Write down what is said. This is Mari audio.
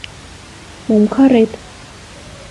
— Мом карет?